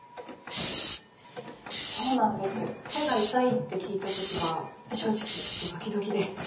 そうなんです手が痛いって聞いた時は正直ちょっとドキドキで。